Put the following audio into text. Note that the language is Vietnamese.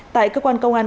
tại cơ quan công an